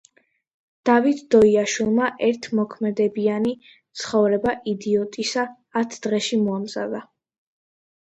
დავით დოიაშვილმა ერთ მოქმედებიანი „ცხოვრება იდიოტისა“ ათ დღეში მოამზადა.